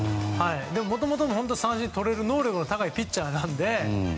もともと三振とれる能力の高いピッチャーなので。